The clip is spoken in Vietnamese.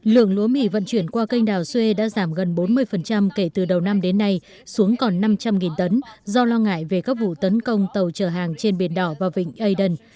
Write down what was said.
lượng lúa mì vận chuyển qua kênh đảo xuê đã giảm gần bốn mươi kể từ đầu năm đến nay xuống còn năm trăm linh tấn do lo ngại về các vụ tấn công tàu chở hàng trên biển đỏ và vịnh aden